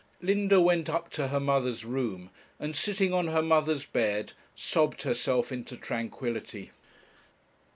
Linda went up to her mother's room, and, sitting on her mother's bed, sobbed herself into tranquillity.